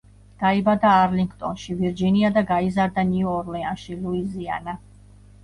დაიბადა არლინგტონში, ვირჯინია და გაიზარდა ნიუ ორლეანში, ლუიზიანა.